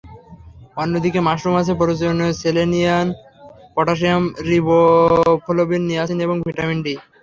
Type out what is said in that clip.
অন্যদিকে মাশরুমে আছে প্রয়োজনীয় সেলেনিয়াম, পটাশিয়াম, রিবোফ্লোবিন, নিয়াসিন এবং ভিটামিন ডি।